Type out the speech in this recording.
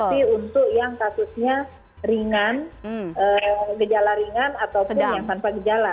tapi untuk yang kasusnya ringan gejala ringan ataupun yang tanpa gejala